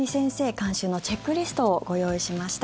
監修のチェックリストをご用意しました。